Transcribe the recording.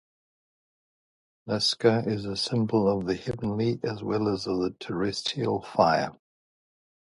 Nusku is the symbol of the heavenly as well as of the terrestrial fire.